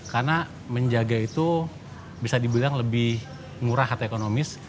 karena menjaga itu bisa dibilang lebih murah atau ekonomis